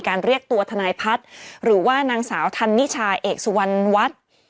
เรียกตัวทนายพัฒน์หรือว่านางสาวธันนิชาเอกสุวรรณวัฒน์